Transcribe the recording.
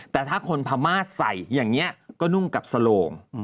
แต่ถ้าคนพม่าใส่อย่างนี้ก็นุ่งกับสโลง